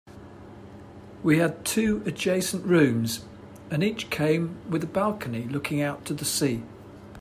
We had two adjacent rooms, and each came with a balcony looking out to the sea.